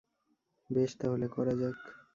বেশ তাহলে, করা যাক।